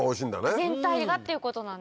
全体がっていうことなんです。